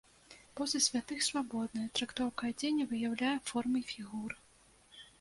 Позы святых свабодныя, трактоўка адзення выяўляе формы фігур.